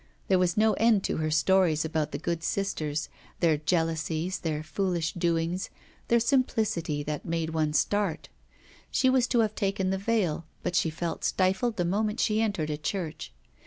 There was no end to her stories about the good sisters, their jealousies, their foolish doings, their simplicity, that made one start. She was to have taken the veil, but she felt stifled the moment she entered a church.